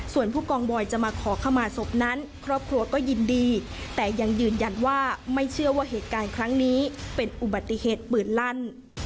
ส่วนผู้กองบอยจะมาขอขมาศพนั้นครอบครัวก็ยินดีแต่ยังยืนยันว่าไม่เชื่อว่าเหตุการณ์ครั้งนี้เป็นอุบัติเหตุปืนลั่น